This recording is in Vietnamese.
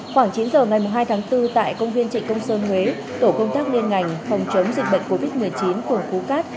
khoảng chín giờ ngày hai tháng bốn tại công viên trịnh công sơn huế tổ công tác liên ngành phòng chống dịch bệnh covid một mươi chín phường phú cát